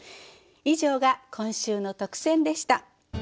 以上が今週の特選でした。